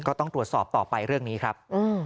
ก็ต้องตรวจสอบต่อไปเรื่องนี้ครับ